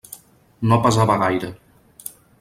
No pesava gaire.